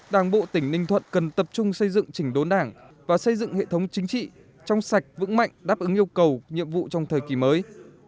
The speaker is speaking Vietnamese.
đảng bộ tỉnh ninh thuận cần tập trung xây dựng chỉnh đốn đảng và xây dựng hệ thống chính trị trong sạch vững mạnh đáp ứng yêu cầu nhiệm vụ trong thời kỳ mới